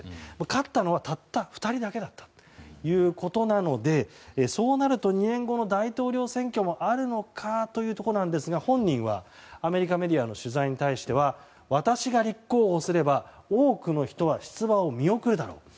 勝ったのはたった２人だけだったということなのでそうなると２年後の大統領選挙もあるのかということなんですが本人はアメリカメディアの取材に対しては私が立候補すれば多くの人は出馬を見送るであろうと。